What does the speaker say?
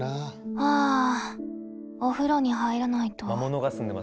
ああお風呂に入らないと。